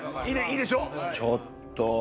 ちょっと！